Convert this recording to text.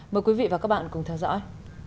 mời quý vị và các bạn cùng theo dõi